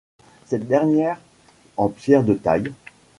Cette dernière, en pierre de taille.